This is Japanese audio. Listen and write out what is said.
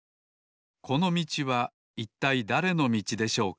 このみちはいったいだれのみちでしょうか？